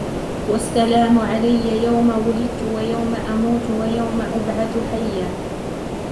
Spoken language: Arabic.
وَالسَّلَامُ عَلَيَّ يَوْمَ وُلِدْتُ وَيَوْمَ أَمُوتُ وَيَوْمَ أُبْعَثُ حَيًّا